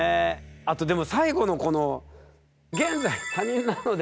あとでも最後のこの現在「他人なので」。